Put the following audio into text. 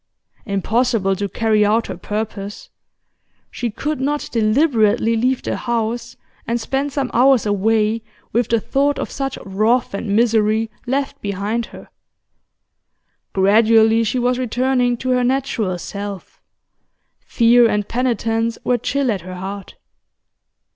Impossible to carry out her purpose; she could not deliberately leave the house and spend some hours away with the thought of such wrath and misery left behind her. Gradually she was returning to her natural self; fear and penitence were chill at her heart.